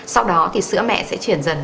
sau đó thì sữa mẹ sẽ chuyển dần